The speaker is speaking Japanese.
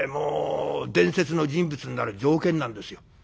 伝説の人物になる条件なんですよ。